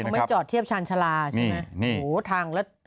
ไม่จอดเทียบชาญชาลาทางเลิศ